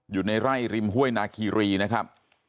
อยู่ในไร่ริมห้วยนาคีรีนะครับ